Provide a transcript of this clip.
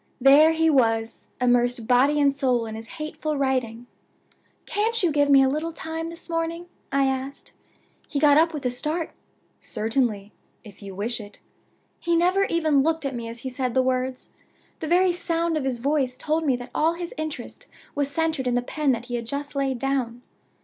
There he was, immersed body and soul in his hateful writing! 'Can't you give me a little time this morning?' I asked. He got up with a start. 'Certainly, if you wish it.' He never even looked at me as he said the words. The very sound of his voice told me that all his interest was centered in the pen that he had just laid down.